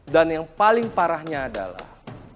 dan yang paling parahnya adalah